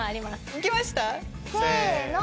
行けました？せの。